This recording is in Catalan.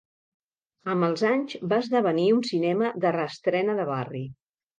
Amb els anys va esdevenir un cinema de reestrena de barri.